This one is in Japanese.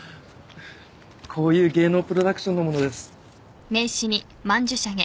こういう芸能プロダクションの者です。